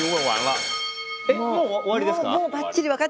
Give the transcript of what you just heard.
えっもう終わりですか？